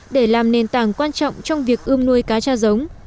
để làm nền tảng quan trọng trong việc ươm nuôi cá cha giống